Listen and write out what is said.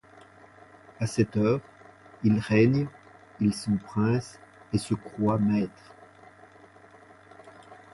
A cette heure, ils règnent, ils sont princes, et se croient maîtres.